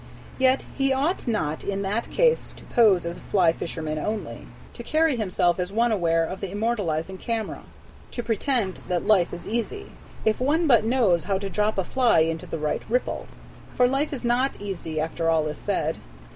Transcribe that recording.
Yet he ought not in that case to pose as a fly fisherman only, to carry himself as one aware of the immortalizing camera, to pretend that life is easy, if one but knows how to drop a fly into the right ripple. For life is not easy, after all is said.